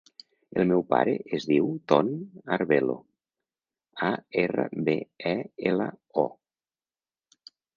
El meu pare es diu Ton Arbelo: a, erra, be, e, ela, o.